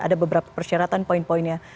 ada beberapa persyaratan poin poinnya